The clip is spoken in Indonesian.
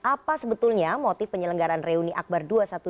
apa sebetulnya motif penyelenggaran reuni akbar dua ratus dua belas